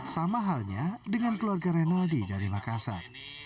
sama halnya dengan keluarga renaldi dari makassar